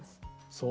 そう？